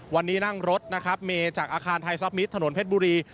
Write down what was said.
วันนี้นั่งรถนะครับเมจากอาคารไทยซับมิตรถนนเพชรบุรี